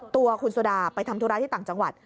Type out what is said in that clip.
ตัวคุณโซดาไปทำธุระที่ต่างจังหวัด